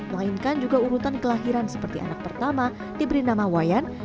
melainkan juga urutan kelahiran seperti anak pertama diberi nama wayan